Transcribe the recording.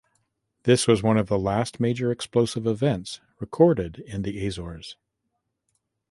This was one of the last major explosive events recorded in the Azores.